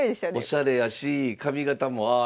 おしゃれやし髪形もああいう髪形。